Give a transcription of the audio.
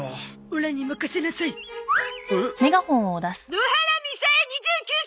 「野原みさえ２９歳！」